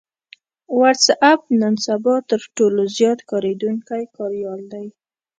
وټس اېپ نن سبا تر ټولو زيات کارېدونکی کاريال دی